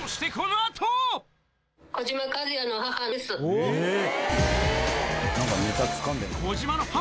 えっ！